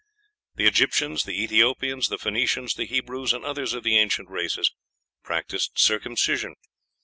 The Egyptians, the Ethiopians, the Phoenicians, the Hebrews, and others of the ancient races, practised circumcision.